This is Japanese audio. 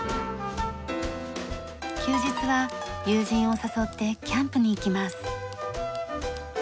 休日は友人を誘ってキャンプに行きます。